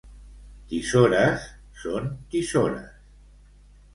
Tisores són tisores.